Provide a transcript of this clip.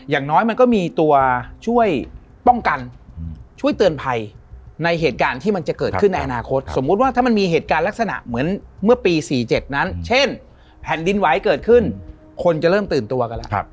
อย่างน้อยมันก็มีตัวช่วยป้องกันช่วยเตือนภัยในเหตุการณ์ที่มันจะเกิดขึ้นในอนาคตสมมุติว่าถ้ามันมีเหตุการณ์ลักษณะเหมือนเมื่อปี๔๗นั้นเช่นแผ่นดินไหวเกิดขึ้นคนจะเริ่มตื่นตัวกันแล้ว